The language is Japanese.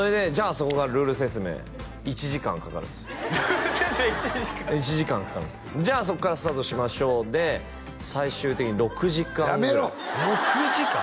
そこからルール説明１時間かかるんですルール説明１時間１時間かかるんですじゃあそっからスタートしましょうで最終的に６時間ぐらい６時間？